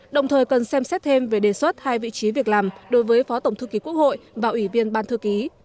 đồng thời cần xem xét thêm về đề xuất hai vị trí việc làm đối với phó tổng thư ký quốc hội và ủy viên ban thư ký